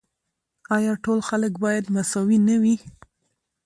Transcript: آیا ټول خلک باید مساوي نه وي؟